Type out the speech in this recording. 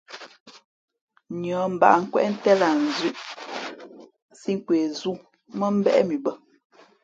Nʉᾱ mbǎʼnkwéʼ ntén lah nzʉ̄ʼ sī nkwe zū mά mbéʼ mʉ bᾱ.